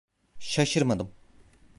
Şaşırmadım.